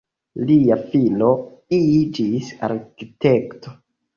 Lia filo iĝis arkitekto.